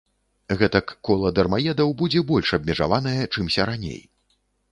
Гэтак кола дармаедаў будзе больш абмежаванае, чымся раней.